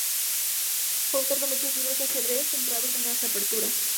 Fue autor de muchos libros de Ajedrez, centrados en las aperturas.